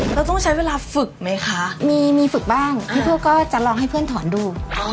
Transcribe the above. เราต้องใช้เวลาฝึกไหมคะมีมีฝึกบ้างพี่พวกก็จะลองให้เพื่อนถอนดู